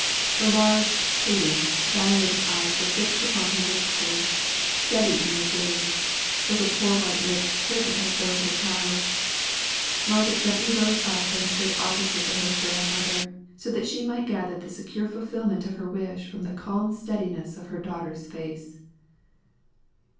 The large, pleading, dilated eyes were fixed upon her wistfully, steady in their gaze, though the poor white lips quivered like those of a child. Margaret gently rose up and stood opposite to her frail mother; so that she might gather the secure fulfilment of her wish from the calm steadiness of her daughter's face.